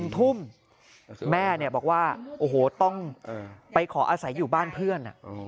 ทุ่มแม่บอกว่าโอ้โหต้องไปขออาศัยอยู่บ้านเพื่อน